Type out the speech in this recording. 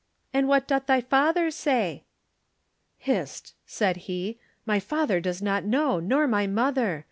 And what doth thy father say?" "Hist!" said he. "My father does not know, nor my mother.